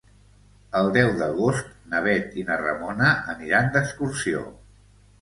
El deu d'agost na Bet i na Ramona aniran d'excursió.